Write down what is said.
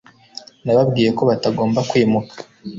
nababwiye ko batagomba kwimuka